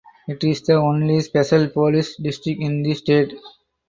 It is the only special police district in the state.